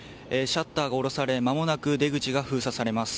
シャッターが下ろされまもなく出口が封鎖されます。